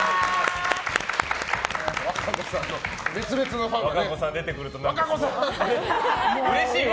和歌子さんの熱烈なファンがね。